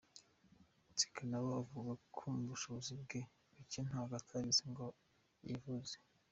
Nsekanabo avuga ko mu bushobozi bwe buke ntako atagize ngo yivuze.